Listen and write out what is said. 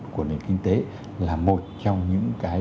của nền kinh tế là một trong những cái